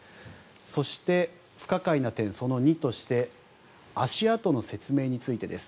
そして、不可解な点その２として足跡の説明についてです。